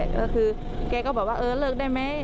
ก็คือแกก็บอกว่าเออเลิกได้ไหม